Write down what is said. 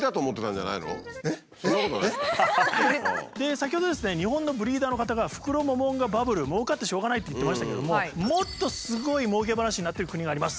先ほどですね日本のブリーダーの方がフクロモモンガバブルもうかってしょうがないって言ってましたけどももっとすごいもうけ話になってる国があります。